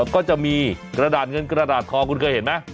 ก็จะมีกระดาษเงินกระดาษทองคุณเคยเห็นไหม